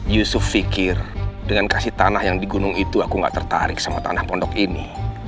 yusuf fikir dengan kasih tanah yang di gunung itu aku gak tertarik sama tanah pondok ini